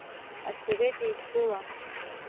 Асовет Еидгыла…